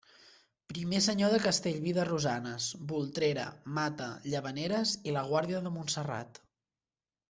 Primer senyor de Castellví de Rosanes, Voltrera, Mata, Llavaneres i la Guàrdia de Montserrat.